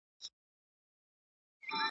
نه به ستا په کلي کي په کاڼو چا ویشتلی وي